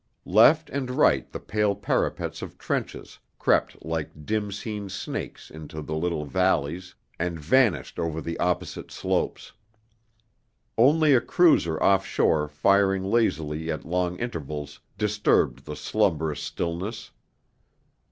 Left and right the pale parapets of trenches crept like dim seen snakes into the little valleys, and vanished over the opposite slopes. Only a cruiser off shore firing lazily at long intervals disturbed the slumberous stillness.